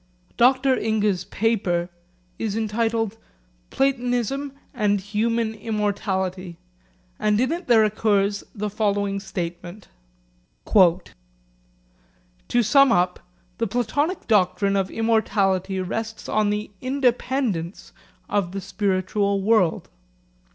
Dr Inge's paper is entitled 'Platonism and Human Immortality,' and in it there occurs the following statement: 'To sum up. The Platonic doctrine of immortality rests on the independence of the spiritual world.